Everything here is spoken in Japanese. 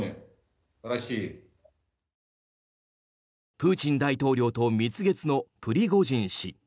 プーチン大統領と蜜月のプリゴジン氏。